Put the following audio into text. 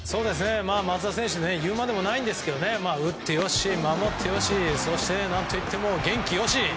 松田選手言うまでもないんですけど打って良し、守って良しそして、何といっても元気良し！